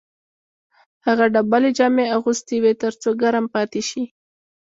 هغه ډبلې جامې اغوستې وې تر څو ګرم پاتې شي